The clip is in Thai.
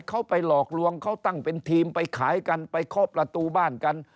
เขาไปหลอกลวงเขาตั้งเป็นทีมไปขายกันไปเคาะประตูบ้านกัน